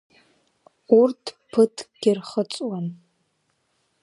Урҭ ԥыҭкгьы рхыҵуан.